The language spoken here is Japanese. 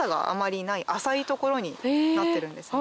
所になってるんですね。